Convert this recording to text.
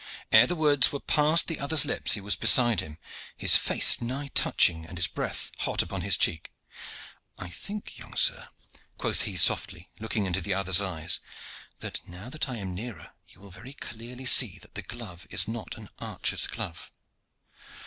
Ere the words were past the other's lips he was beside him, his face nigh touching, and his breath hot upon his cheeks. 'I think, young sir,' quoth he softly, looking into the other's eyes, 'that now that I am nearer you will very clearly see that the glove is not an archer's glove.'